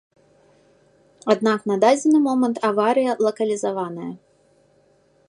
Аднак на дадзены момант аварыя лакалізаваная.